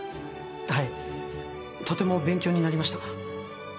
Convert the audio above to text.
はいとても勉強になりました。